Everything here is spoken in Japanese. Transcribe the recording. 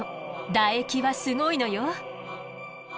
唾液はすごいのよ。